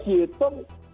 pengaruh brand itu